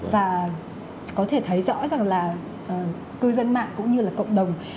và có thể thấy rõ rằng là cư dân mạng cũng như là cộng đồng